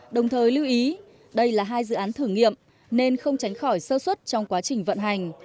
đồng thời lưu ý đây là hai dự án thử nghiệm nên không tránh khỏi sơ xuất trong quá trình vận hành